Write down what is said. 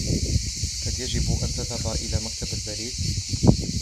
هل يجب أن تذهب إلى مكتب البريد؟